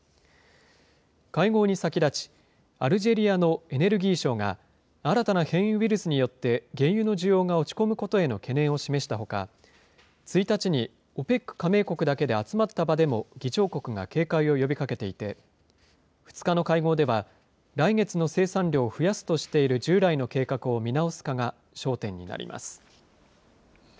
会合に先立ち、アルジェリアのエネルギー相が、新たな変異ウイルスによって、原油の需要が落ち込むことへの懸念を示したほか、１日にＯＰＥＣ加盟国だけで集まった場でも、議長国が警戒を呼びかけていて、２日の会合では、来月の生産量を増やすとしている従来の計画を見直すかが焦点になります。